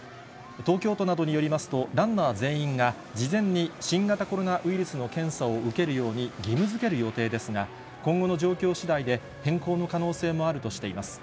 東京都などによりますと、ランナー全員が、事前に新型コロナウイルスの検査を受けるように義務づける予定ですが、今後の状況しだいで変更の可能性もあるとしています。